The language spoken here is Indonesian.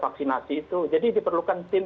vaksinasi itu jadi diperlukan tim